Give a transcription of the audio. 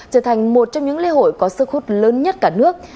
trở thành một trong những lễ hội có sức hút lớn nhất cả nước